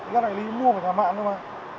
các đại lý mua của nhà mạng thôi mà